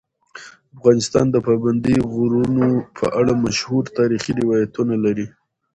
افغانستان د پابندي غرونو په اړه مشهور تاریخی روایتونه لري.